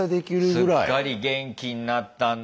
すっかり元気になったんだ。